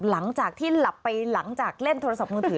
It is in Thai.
หลังจากที่หลับไปหลังจากเล่นโทรศัพท์มือถือ